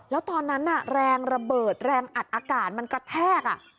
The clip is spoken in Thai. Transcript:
แล้วตอนนั้นแรงระเบิดแรงอัดอากาศมันกระแทก